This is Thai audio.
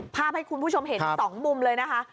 ภาพให้คุณผู้ชมเห็น๒มุมเลยนะคะ